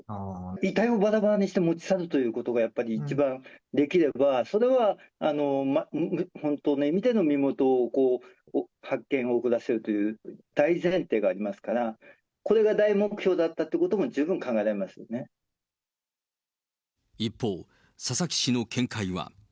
遺体をばらばらにして持ち去るということが、やっぱり一番できれば、それは本当の意味での身元の発見を遅らせるという大前提がありますから、これが大目標だったということも十分考えら一方、佐々木氏の見解は。